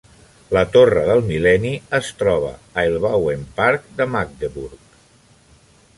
La torre del mil·lenni es troba a l'Elbauenpark de Magdeburg.